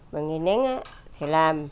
mà nghề nén thì làm